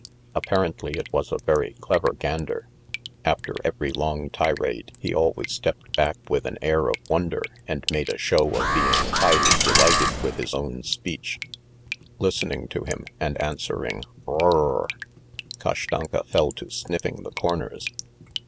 Apparently it was a very clever gander; after every long tirade, he always stepped back with an air of wonder and made a show of being highly delighted with his own speech. ... Listening to him and answering "R r r r," Kashtanka fell to sniffing the corners.